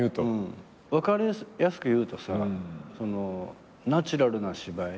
分かりやすく言うとさナチュラルな芝居。